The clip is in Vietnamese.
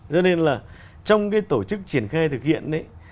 cho nên trong tổ chức triển khai thực hiện